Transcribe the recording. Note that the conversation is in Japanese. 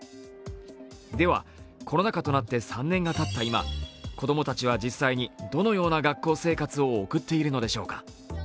ではコロナ禍となって３年がたった今、子供たちは実際にどのような学校生活を送っているのでしょうか。